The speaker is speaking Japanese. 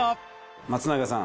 松永さん